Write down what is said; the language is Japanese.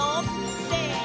せの！